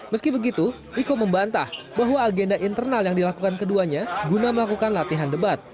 meski begitu riko membantah bahwa agenda internal yang dilakukan keduanya guna melakukan latihan debat